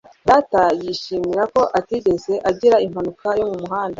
data yishimira ko atigeze agira impanuka yo mu muhanda